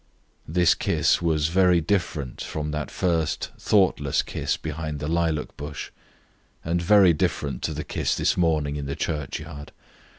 This kiss was very different from that first thoughtless kiss behind the lilac bush, and very different to the kiss this morning in the churchyard.